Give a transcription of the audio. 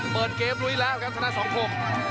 เปิดเกมดูดีแล้วครับสนุน๒ครบ